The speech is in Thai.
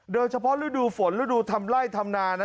เดินเฉพาะฤวาค์ฟลฤวาค์ฟลอย่างทำไล่ทำนานะ